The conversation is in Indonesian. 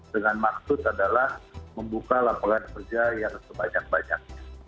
dengan maksud adalah membuka lapangan kerja yang sebanyak banyaknya